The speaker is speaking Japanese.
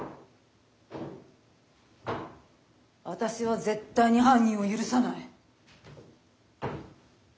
私は絶対に犯人を許さない。